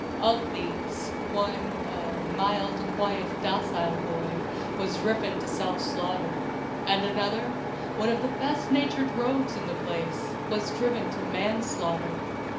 Of these, one, "a mild, quiet, docile boy," was driven to self slaughter; and another, one of the best natured rogues in the place, was driven to manslaughter.